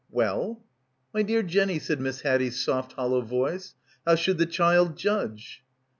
"Well?" "My dear Jenny," said Miss Haddie's soft hol low voice, "how should the child judge?"